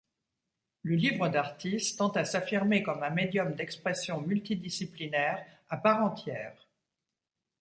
Le livre d’artiste tend à s'affirmer comme un médium d'expression multidisciplinaire à part entière.